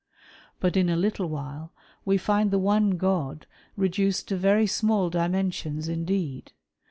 But in a little while, we find the '' one God " reduced to very small dimensions indeed.